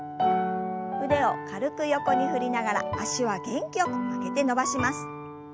腕を軽く横に振りながら脚は元気よく曲げて伸ばします。